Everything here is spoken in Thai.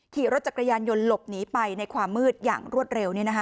ขี่รถจักรยานยนต์หลบหนีไปในความมืดอย่างรวดเร็ว